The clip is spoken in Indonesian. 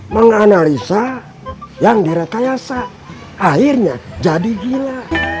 menganalisa yang direkayasa akhirnya jadi gila